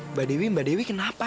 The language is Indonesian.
mbak dewi mbak dewi kenapa